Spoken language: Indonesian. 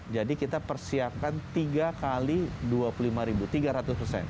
jadi kita persiapkan tiga kali dua puluh lima ribu tiga ratus persen